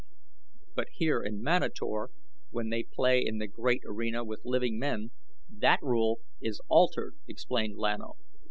"But here in Manator, when they play in the great arena with living men, that rule is altered," explained Lan O.